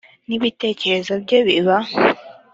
n ibitekerezo bye biba